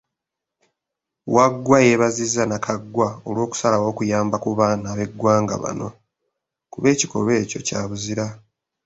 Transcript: Waggwa yeebazizza Nakaggwa olw'okusalawo okuyambako ku baana b'eggwanga bano, kuba ekikolwa ekyo kya buzira.